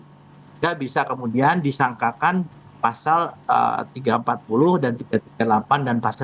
tidak bisa kemudian disangkakan pasal tiga ratus empat puluh dan tiga ratus tiga puluh delapan dan pasal dua puluh